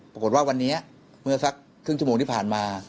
ปรากฏว่าวันนี้เมื่อสักครึ่งชั่วโมงที่ผ่านมา